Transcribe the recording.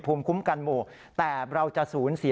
ตอนต่อไป